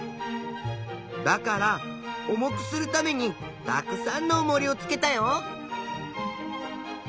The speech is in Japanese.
だから重くするためにたくさんのおもりをつけたよ。